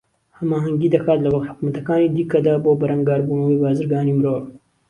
ھەماھەنگی دەکات لەگەڵ حوکمەتەکانی دیکەدا بۆ بەرەنگاربوونەوەی بازرگانیی مرۆڤ